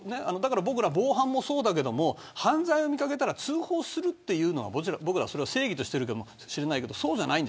僕ら防犯もそうだけど犯罪を見掛けたら通報するのは僕ら正義としてるかもしれないけどそうじゃない。